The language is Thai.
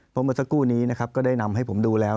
เพราะเมื่อสักครู่นี้นะครับก็ได้นำให้ผมดูแล้ว